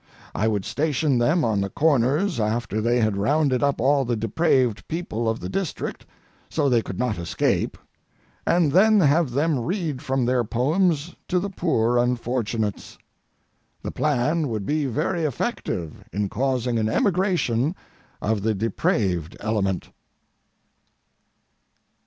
I would station them on the corners after they had rounded up all the depraved people of the district so they could not escape, and then have them read from their poems to the poor unfortunates. The plan would be very effective in causing an emigration of the depraved element.